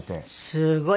すごい。